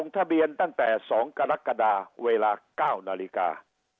ตั้งแต่๒กรกฎาเวลา๙นาฬิกา